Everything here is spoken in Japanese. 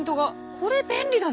これ便利だね。